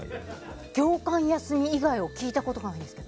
業間休み以外を聞いたことがないんですけど。